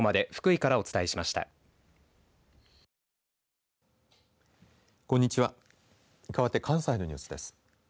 かわって関西のニュースです。